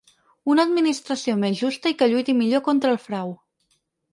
Una administració més justa i que lluiti millor contra el frau.